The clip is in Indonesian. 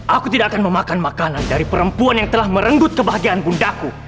aku tidak akan memakan makanan dari perempuan yang telah merenggut kebahagiaan bundaku